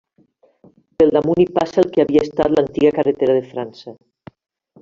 Pel damunt hi passa el que havia estat l'antiga carretera de França.